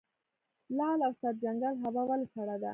لعل او سرجنګل هوا ولې سړه ده؟